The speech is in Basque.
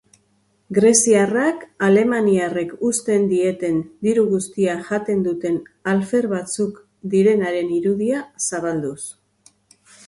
Greziarrak alemaniarrek uzten dieten diru guztia jaten duten alfer batzuk direnaren irudia zabalduz.